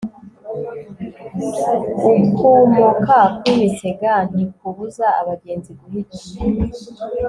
ukumoka kw'imisega ntikubuza abagenzi guhita